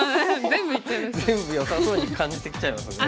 全部よさそうに感じてきちゃいますね。